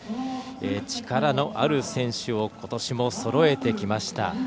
力のある選手をことしもそろえてきました。